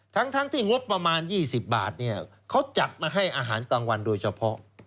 ทั้งที่งบประมาณ๒๐บาทเขาจัดมาให้อาหารกลางวันโดยเฉพาะ